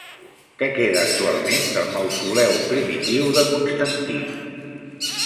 Què queda actualment del mausoleu primitiu de Constantí?